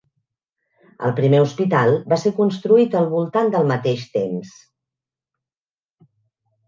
El primer hospital va ser construït al voltant del mateix temps.